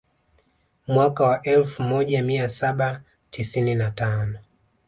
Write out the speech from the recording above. Mwaka wa elfu moja mia saba tisini na tano